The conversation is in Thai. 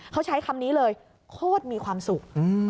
เขาใช้คำนี้เลยโคตรมีความสุข